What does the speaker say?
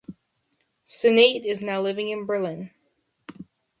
Senait is now living in Berlin.